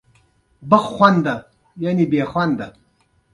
دوي خپل ټول ژوند د سرکاري کالجونو